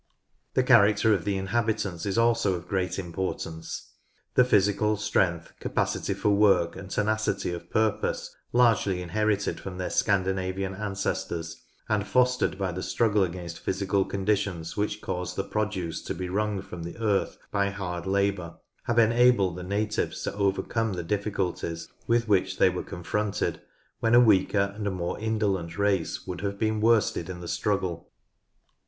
The character of the inhabitants is also of great importance. The physical strength, capacity for work, and tenacity of purpose largely inherited from their Scan dinavian ancestors and fostered by the struggle against physical conditions which cause the produce to be wrung from the earth by hard labour, have enabled the natives to overcome the difficulties with which they were con fronted, when a weaker and more indolent race would have been worsted in the struggle.